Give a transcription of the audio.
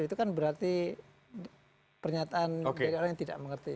itu kan berarti pernyataan dari orang yang tidak mengerti